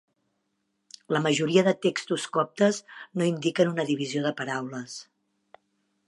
La majoria de textos coptes no indiquen una divisió de paraules.